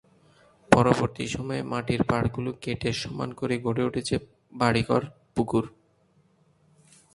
পরবর্তী সময়ে মাটির পাড়গুলো কেটে সমান করে গড়ে উঠেছে বাড়ি-ঘর, পুকুর।